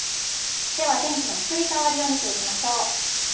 では、天気の移り変わりを見ていきましょう。